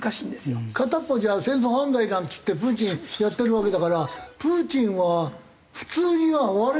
片っぽじゃ戦争犯罪なんつってプーチンやってるわけだからプーチンは普通には終われないでしょうね。